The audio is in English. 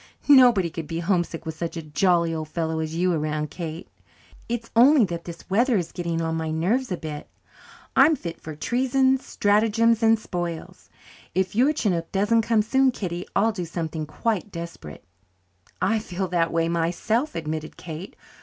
"Nobody could be homesick with such a jolly good fellow as you around, Kate. It's only that this weather is getting on my nerves a bit. I'm fit for treasons, stratagems, and spoils. If your chinook doesn't come soon, Kitty, I'll do something quite desperate." "I feel that way myself," admitted Kate.